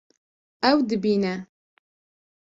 Ew dibîne